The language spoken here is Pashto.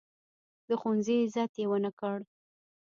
د ښوونځي عزت یې ونه کړ.